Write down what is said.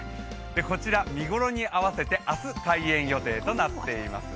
こちら見頃に合わせて明日開園予定となっています。